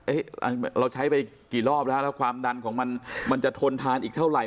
เราใช้ไปกี่รอบแล้วแล้วความดันของมันมันจะทนทานอีกเท่าไหร